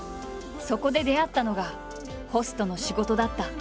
そこで出会ったのがホストの仕事だった。